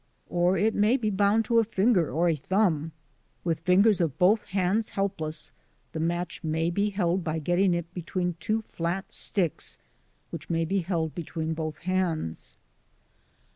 Or it may be bound to a finger or a thumb. With fingers of both hands helpless the match may be held by getting it between two flat sticks which may be held between both hands.